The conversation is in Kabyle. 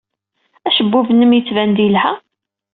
Acebbub-nnem yettban-d yelha.